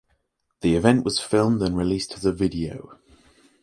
The event was filmed and released as a video.